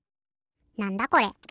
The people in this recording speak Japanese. なんだこれ？